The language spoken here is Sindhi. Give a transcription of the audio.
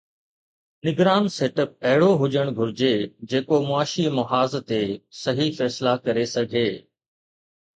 نگران سيٽ اپ اهڙو هجڻ گهرجي جيڪو معاشي محاذ تي صحيح فيصلا ڪري سگهي.